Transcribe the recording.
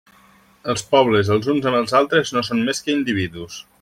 Els pobles els uns amb els altres no són més que individus.